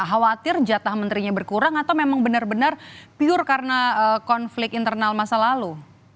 khawatir jatah menterinya berkurang atau memang benar benar pure karena konflik internal masa lalu